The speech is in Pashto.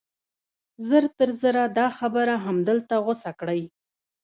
ژر تر ژره دا خبره همدلته غوڅه کړئ